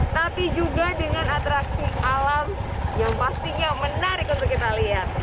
tapi juga dengan atraksi alam yang pastinya menarik untuk kita lihat